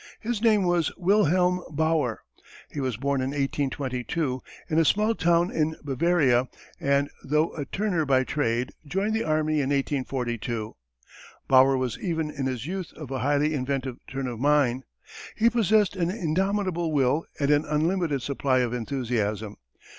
His name was Wilhelm Bauer. He was born in 1822 in a small town in Bavaria and, though a turner by trade, joined the army in 1842. Bauer was even in his youth of a highly inventive turn of mind. He possessed an indomitable will and an unlimited supply of enthusiasm.